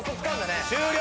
終了！